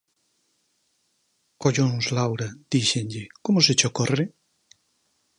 Collóns, Laura, díxenlle, como se che ocorre?